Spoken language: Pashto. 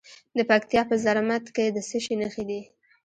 د پکتیا په زرمت کې د څه شي نښې دي؟